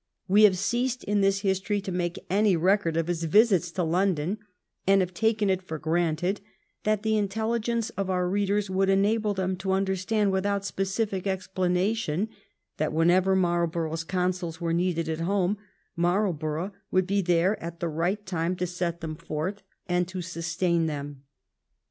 We have ceased in this history to make any record of his visits to London^ and have taken it for granted that the in telligence of our readers would enable them to under stand without specific explanation that whenever Marl borough's counsels were needed at home Marlborough would be there at the right time to set them forth and to sustain them.